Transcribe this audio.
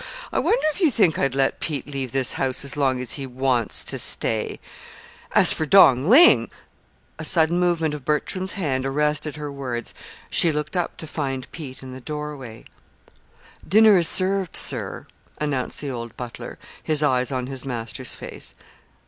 I wonder if you think I'd let Pete leave this house as long as he wants to stay! As for Dong Ling " A sudden movement of Bertram's hand arrested her words. She looked up to find Pete in the doorway. "Dinner is served, sir," announced the old butler, his eyes on his master's face.